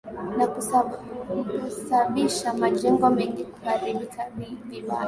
na kusabisha majengo mengi kuharibika vibaya